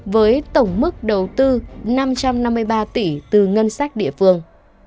với tổng mức đầu tư năm trăm năm mươi ba tỷ từ ngân sách địa phương